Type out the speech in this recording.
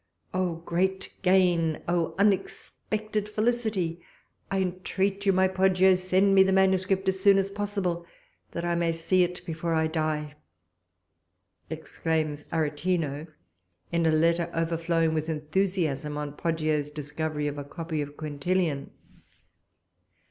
"Oh, great gain! Oh, unexpected felicity! I intreat you, my Poggio, send me the manuscript as soon as possible, that I may see it before I die!" exclaims Aretino, in a letter overflowing with enthusiasm, on Poggio's discovery of a copy of Quintilian.